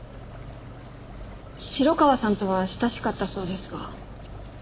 城川さんとは親しかったそうですが。